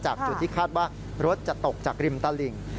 จุดที่คาดว่ารถจะตกจากริมตลิ่ง